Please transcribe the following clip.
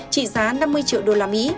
chỉ giá năm mươi triệu usd